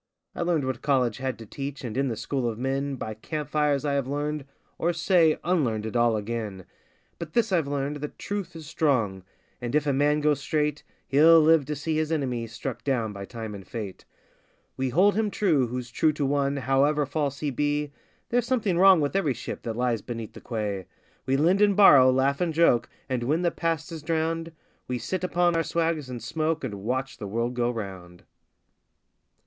I learned what college had to teach, and in the school of men By camp fires I have learned, or, say, unlearned it all again; But this I've learned, that truth is strong, and if a man go straight He'll live to see his enemy struck down by time and fate! We hold him true who's true to one however false he be (There's something wrong with every ship that lies beside the quay); We lend and borrow, laugh and joke, and when the past is drowned, We sit upon our swags and smoke and watch the world go round.